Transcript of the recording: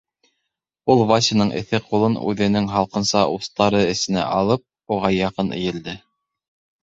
Ул, Васяның эҫе ҡулын үҙенең һалҡынса устары эсенә алып, уға яҡын эйелде.